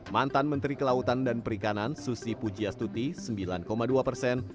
mantan menteri kelautan dan perikanan susi pujiastuti sembilan dua persen